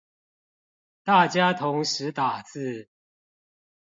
大家同時打字